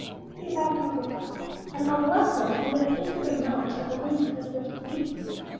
Peter Passmore was not at his ease, and all the less so because of his imperfect knowledge of the language of his entertainers.